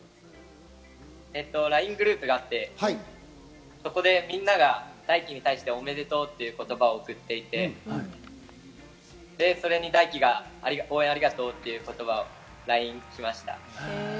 ＬＩＮＥグループがあって、そこでみんなが大輝に対して、おめでとうっていう言葉を送っていて、それに大輝が「応援ありがとう」っていう言葉をＬＩＮＥが来ました。